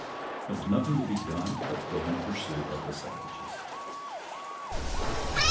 There was nothing to be done but go in pursuit of the savages.